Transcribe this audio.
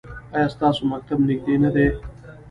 ایا ستاسو مکتب نږدې نه دی؟